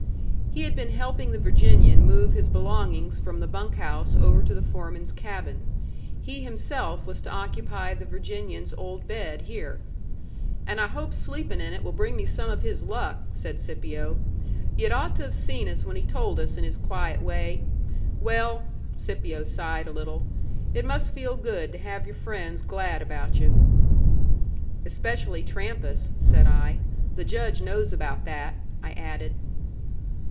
He had been helping the Virginian move his belongings from the bunk house over to the foreman's cabin. He himself was to occupy the Virginian's old bed here. "And I hope sleepin' in it will bring me some of his luck," said Scipio. "Yu'd ought to've seen us when he told us in his quiet way. Well," Scipio sighed a little, "it must feel good to have your friends glad about you." "Especially Trampas," said I. "The Judge knows about that," I added.